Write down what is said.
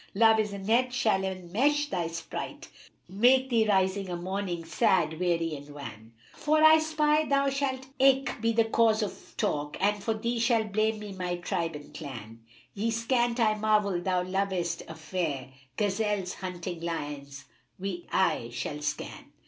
Love is a net shall enmesh thy sprite, * Make thee rise a morning sad, weary and wan: For our spy thou shalt eke be the cause of talk; * And for thee shall blame me my tribe and clan: Yet scant I marvel thou lovest a Fair:— * Gazelles hunting lions we aye shall scan!"